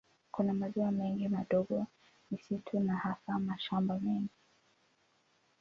Kuna maziwa mengi madogo, misitu na hasa mashamba mengi.